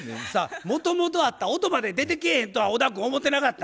もともとあった音まで出てけえへんとは小田君思ってなかった。